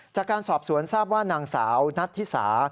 จากการสอบสวนทราบว่านางสาวนัทธิสา